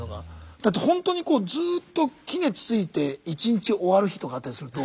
だってほんとにこうずっと杵ついて１日終わる日とかあったりすると。